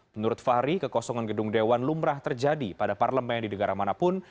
menurut fahri kekosongan gedung dewan lumrah terjadi pada parlemen di negara manapun